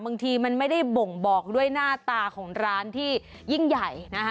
บางทีมันไม่ได้บ่งบอกด้วยหน้าตาของร้านที่ยิ่งใหญ่นะคะ